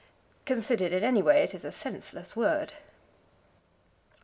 Considered in any way, it is a senseless word.